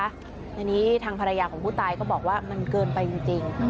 อันนี้ทางภรรยาของผู้ตายก็บอกว่ามันเกินไปจริง